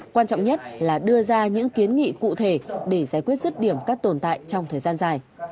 quan trọng nhất là đưa ra những kiến nghị cụ thể để giải quyết rứt điểm các tồn tại trong thời gian dài